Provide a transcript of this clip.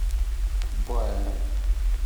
Wwan.